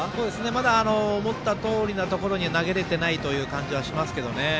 まだ思ったとおりのところには投げれてないという感じはしますけどね。